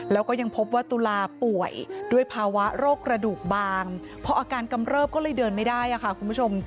แล้วก็ยังพบว่าตุลาป่วยด้วยภาวะโรคกระดูกบางพออาการกำเริบก็เลยเดินไม่ได้ค่ะคุณผู้ชม